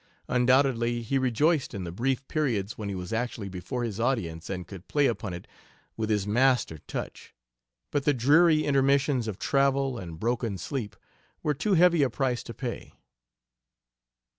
Undoubtedly he rejoiced in the brief periods when he was actually before his audience and could play upon it with his master touch, but the dreary intermissions of travel and broken sleep were too heavy a price to pay.